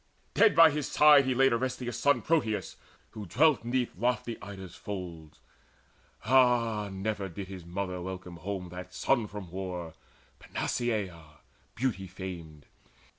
Dead by his side he laid Orestius' son, Proteus, who dwelt 'neath lofty Ida's folds. Ah, never did his mother welcome home That son from war, Panaceia beauty famed!